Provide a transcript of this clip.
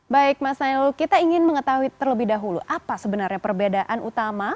baik mas nailul kita ingin mengetahui terlebih dahulu apa sebenarnya perbedaan utama